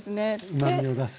うまみを出す。